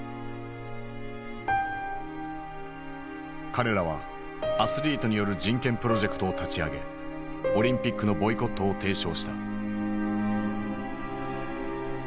彼らはアスリートによる人権プロジェクトを立ち上げオリンピックのボイコットを提唱した。